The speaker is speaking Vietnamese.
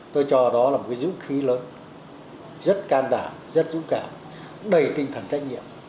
là một cái dũng khí lớn rất can đảm rất dũng cảm đầy tinh thần trách nhiệm